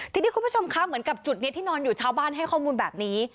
ทีนี้คุณผู้ชมคะเหมือนกับจุดนี้ที่นอนอยู่ชาวบ้านให้ข้อมูลแบบนี้